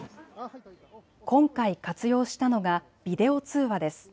今回活用したのがビデオ通話です。